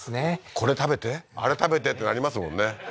これ食べてあれ食べてってなりますもんね